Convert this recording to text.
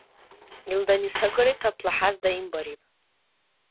Илдани сагали тапла хӀяз даимбариб.